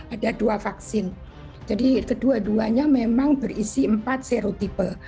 ada dua vaksin jadi kedua duanya memang berisi empat seru tipe